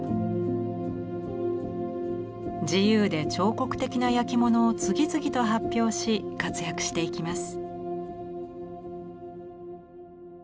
自由で彫刻的な焼き物を次々と発表し活躍していきます。